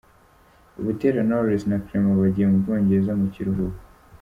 Butera Knowless na Clement bagiye mu Bwongereza mu kiruhuko